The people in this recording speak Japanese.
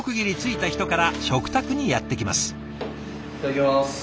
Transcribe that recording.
いただきます。